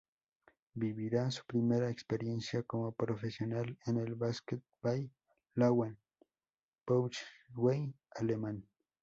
Vivirá su primera experiencia como profesional en el Basketball Löwen Braunschweig alemán.